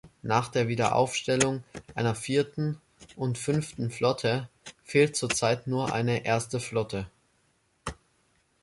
Nach der Wiederaufstellung einer Vierten und Fünften Flotte fehlt zurzeit nur eine Erste Flotte.